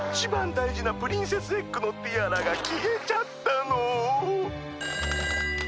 だいじなプリンセスエッグのティアラがきえちゃったの！